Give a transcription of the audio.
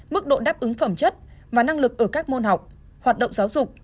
mức độ đáp ứng phẩm chất và năng lực ở các môn học hoạt động giáo dục